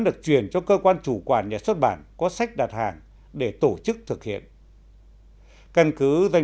được truyền cho cơ quan chủ quản nhà xuất bản có sách đặt hàng để tổ chức thực hiện căn cứ danh